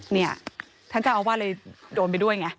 เนี่ยท่านเจ้าอาวาสเลยโดนไปด้วยไง